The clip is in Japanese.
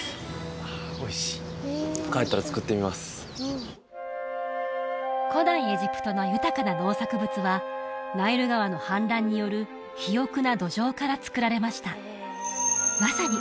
あおいしい帰ったら作ってみます古代エジプトの豊かな農作物はナイル川の氾濫による肥よくな土壌から作られました